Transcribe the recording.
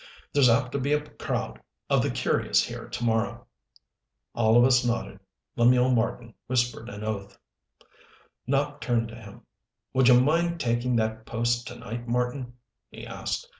There's apt to be a crowd of the curious here to morrow." All of us nodded. Lemuel Marten whispered an oath. Nopp turned to him. "Would you mind taking that post to night, Marten?" he asked.